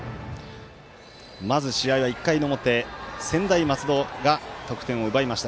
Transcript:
まず試合は１回の表専大松戸が得点を奪いました。